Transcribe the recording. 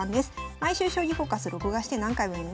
毎週『将棋フォーカス』録画して何回も見ます。